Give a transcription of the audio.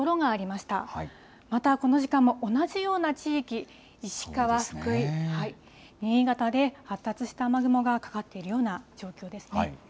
またこの時間も同じような地域、石川、福井、新潟で発達した雨雲がかかっているような状況ですね。